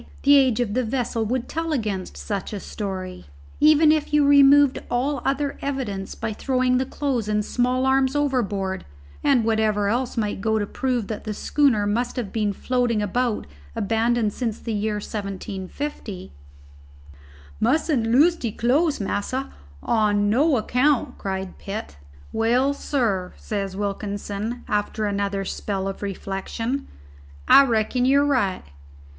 "The age of the vessel would tell against such a story, even if you removed all other evidence by throwing the clothes and small arms overboard and whatever else might go to prove that the schooner must have been floating about abandoned since the year 1750!" "Musn't lose de clothes, massa, on no account," cried Pitt. "Well, sir," says Wilkinson, after another spell of reflection, "I reckon you're right.